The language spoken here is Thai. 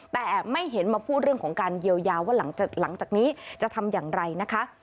แต่ไม่เห็นมาพูดเรื่องของการเยียวยาว่าหลังจากนี้จะทำอย่างไรนะคะ